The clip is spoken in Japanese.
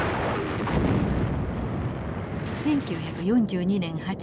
１９４２年８月。